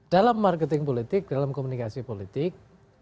dalam marketing politik dalam komunikasi politik